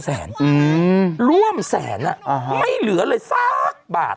อืมร่วมแสนไม่เหลือเลยสักบาท